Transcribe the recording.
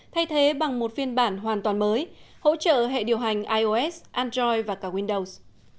thay thế bằng một phiên bản hoàn toàn mới hỗ trợ hệ điều hành ios android và cả windowns